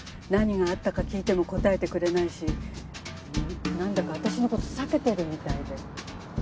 何があったか聞いても答えてくれないしなんだか私の事避けてるみたいで。